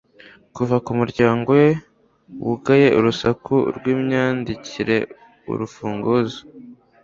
Kuva kumuryango we wugaye urusaku rwimyandikireurufunguzo